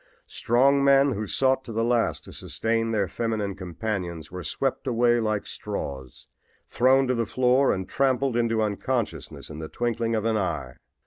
Strong men who sought to the last to sustain their feminine companions were swept away like straws, thrown to the floor and trampled into unconsciousness in the twinkling of an eye.